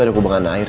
ada kubangan air